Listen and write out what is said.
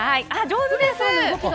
上手です！